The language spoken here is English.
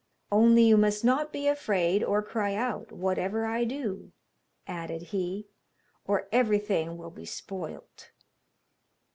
Only you must not be afraid or cry out, whatever I do,' added he, 'or everything will be spoilt.'